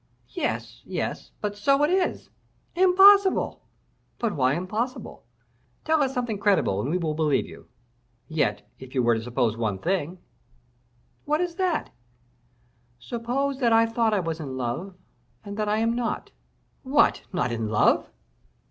"Yes, yes; but so it is!" "Impossible!" "But why impossible?" "Tell us something credible and we will believe you." "Yet, if you were to suppose one thing." "What is that?" "Suppose that I thought I was in love, and that I am not." "What! not in love!"